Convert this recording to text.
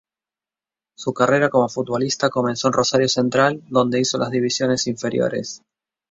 Su carrera como futbolista comenzó en Rosario Central, donde hizo las divisiones inferiores.